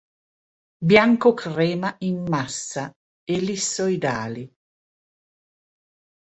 Bianco-crema in massa, ellissoidali.